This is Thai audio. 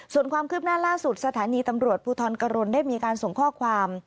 ส่วนความคืบหน้าล่าสุดสถานีตำรวจภูทรกรณได้มีการส่งข้อความ